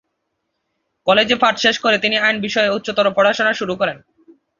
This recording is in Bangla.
কলেজের পাঠ শেষ করে তিনি আইন বিষয়ে উচ্চতর পড়াশোনা শুরু করেন।